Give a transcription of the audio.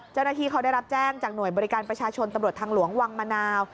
เจ้าหน้าที่เขาได้รับแจ้งจากหน่วยบริการประชาชนตำรวจทางหลวงวังมะนาว